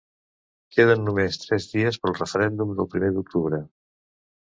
Queden només tres dies pel referèndum del primer d’octubre.